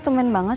itu main banget